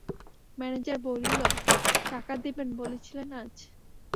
Manager বলিল, টাকা দেবেন বলেছিলেন আজ?